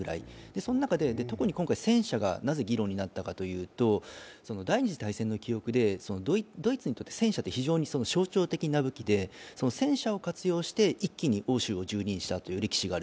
その中で、特に今回戦車がなぜ議論になったかというと、第二次大戦の記憶で、ドイツにとって戦車は象徴的な武器で戦車を活用して一気に欧州を蹂躙したという歴史がある。